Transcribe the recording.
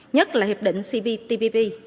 nhất là hiệp định cptpp